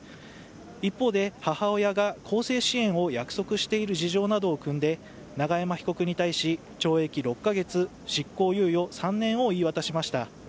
一方で母親が更生支援を約束している事情などを酌んで永山被告に対し懲役６か月、執行猶予３年を言い渡しました。